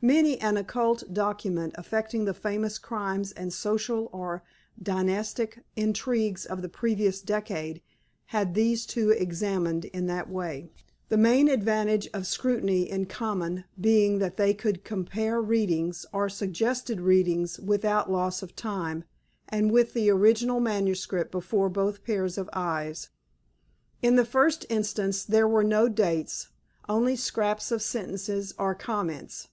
Many an occult document affecting the famous crimes and social or dynastic intrigues of the previous decade had these two examined in that way, the main advantage of scrutiny in common being that they could compare readings or suggested readings without loss of time, and with the original manuscript before both pairs of eyes. In the first instance, there were no dates—only scraps of sentences, or comments.